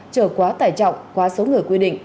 trở quá tải trọng quá số người quy định